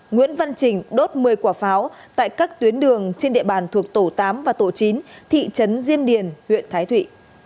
nguyễn văn trình đốt một mươi quả pháo tại các tuyến đường trên địa bàn thuộc tổ tám và tổ chín thị trấn diêm điền huyện thái thụy